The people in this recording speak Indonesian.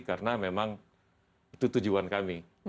karena memang itu tujuan kami